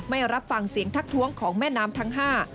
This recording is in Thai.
ไม่รับฟังเสียงทักท้วงของแม่น้ำทั้ง๕